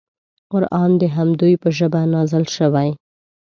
قران د همدوی په ژبه نازل شوی.